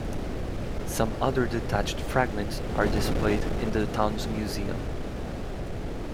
Some other detached fragments are displayed in the town's museum.